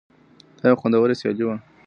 دا یوه خوندوره سیالي وه.